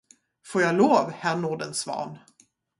Får jag lov, Herr Nordensvan?